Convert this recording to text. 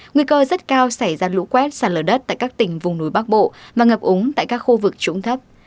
nguy cơ rất cao xảy ra lũ quét sạt lở đất tại các tỉnh vùng núi bắc bộ và ngập úng tại các khu vực trũng thấp